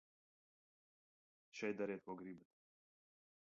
Šeit dariet, ko gribat.